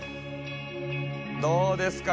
どうですか？